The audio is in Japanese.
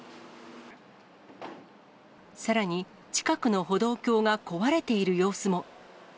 さらに、近くの歩道橋が壊れている様子も。